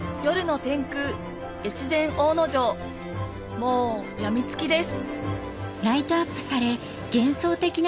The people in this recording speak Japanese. もうやみつきです